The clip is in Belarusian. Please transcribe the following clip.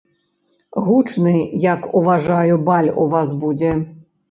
Гучны, як уважаю, баль у вас будзе.